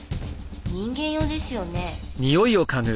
人間用ですよね？